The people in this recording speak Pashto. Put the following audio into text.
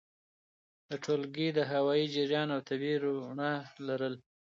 د ټولګي د هوايي جریان او طبیعي رؤڼا لرل!